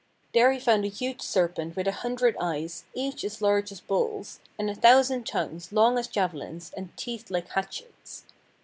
There he found a huge serpent with a hundred eyes, each as large as bowls, and a thousand tongues long as javelins, and teeth like hatchets.